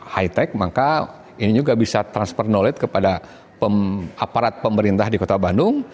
high tech maka ini juga bisa transfer knowledge kepada aparat pemerintah di kota bandung